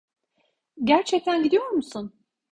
Gerçekten gidiyor musun?